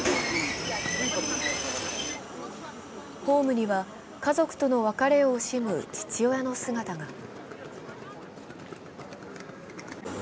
ホームには、家族との別れを惜しむ父親の姿が。